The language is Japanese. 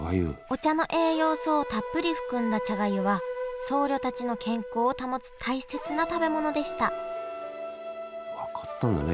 お茶の栄養素をたっぷり含んだ茶がゆは僧侶たちの健康を保つ大切な食べ物でした分かってたんだね